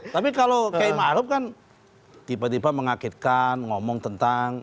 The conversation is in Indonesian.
tapi kalau k maruf kan tiba tiba mengagetkan ngomong tentang